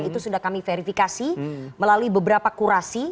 itu sudah kami verifikasi melalui beberapa kurasi